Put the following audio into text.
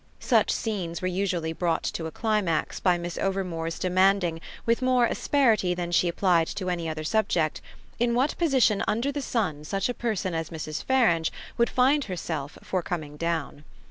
Such scenes were usually brought to a climax by Miss Overmore's demanding, with more asperity than she applied to any other subject, in what position under the sun such a person as Mrs. Farange would find herself for coming down.